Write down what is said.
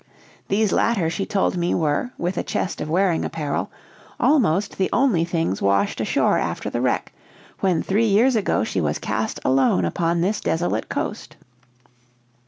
These latter she told me were, with a chest of wearing apparel, almost the only things washed ashore after the wreck, when three years ago she was cast alone upon this desolate coast.